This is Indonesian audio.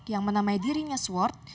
yang menamai dirinya sword